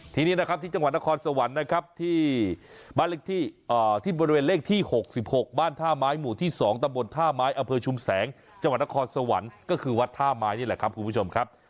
ทีนี้นะครับที่จังหวัดนครสวรรค์นะครับที่บ้านที่บริเวณเลขที่๖๖บ้านท่าไม้หมู่ที่๒ตำบลท่าไม้อำเภอชุมแสงจังหวัดนครสวรรค์ก็คือวัดท่าไม้นี่แหละครับคุณผู้ชมครับ